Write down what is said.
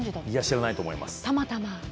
知らないと思います。